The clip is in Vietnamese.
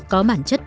có bản chứng